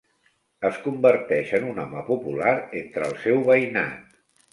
Es converteix en un home popular entre el seu veïnat.